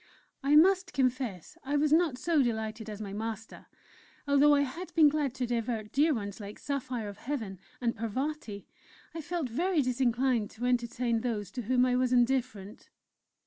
I must confess I was not so delighted as my master. Although I had been glad to divert dear ones like Saphire of Heaven and Parvati, I felt very disinclined to entertain those to whom I was indifferent.